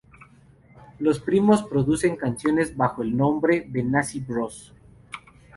Los primos producen canciones bajo el nombre "Benassi Bros.